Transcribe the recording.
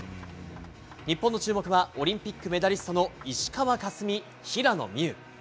日本の注目はオリンピックメダリストの石川佳純、平野美宇。